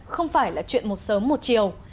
không phải là chuyện một sớm một chiều